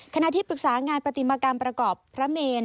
ขณะที่ปรึกษางานปฏิมากรรมประกอบพระเมน